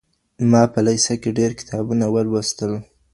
ما په لېسه کي ډېر کتابونه ولوستل.